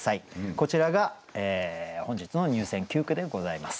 こちらが本日の入選九句でございます。